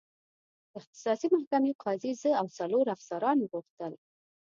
د اختصاصي محکمې قاضي زه او څلور افسران وغوښتل.